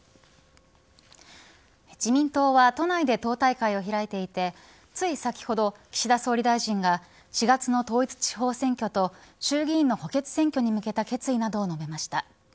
自民党は都内で党大会を開いていてつい先ほど、岸田総理大臣が４月の統一地方選挙と衆議院の補欠選挙に向けた決意などを述べました。